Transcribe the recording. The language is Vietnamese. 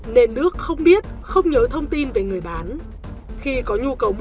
nên đức không biết không nhớ thông tin về người bán